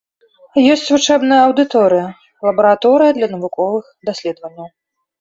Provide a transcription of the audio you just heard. Ёсць вучэбная аўдыторыя, лабараторыя для навуковых даследаванняў.